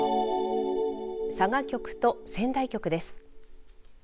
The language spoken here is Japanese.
佐賀局と仙台局です。